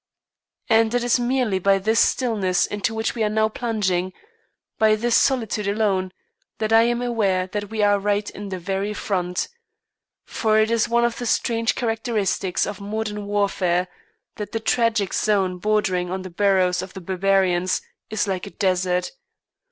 And it is merely by this stillness into which we are now plunging, by this solitude alone, that I am aware that we are right in the very front; for it is one of the strange characteristics of modern warfare that the tragic zone bordering on the burrows of the barbarians, is like a desert.